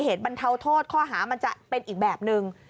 เหตุบรรเทาโทษข้อหามันจะเป็นอีกแบบนึง